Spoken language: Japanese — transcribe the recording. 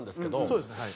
そうですねはい。